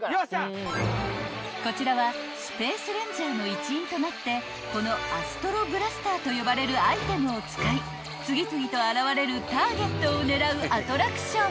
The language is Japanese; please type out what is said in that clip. ［こちらはスペースレンジャーの一員となってこのアストロブラスターと呼ばれるアイテムを使い次々と現れるターゲットを狙うアトラクション］